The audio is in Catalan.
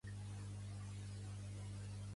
Pertany al moviment independentista la Saray?